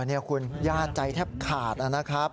นี่คุณญาติใจแทบขาดนะครับ